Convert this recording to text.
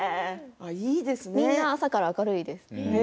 みんな朝から明るいです。